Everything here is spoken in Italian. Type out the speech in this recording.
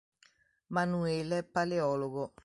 Manuele Paleologo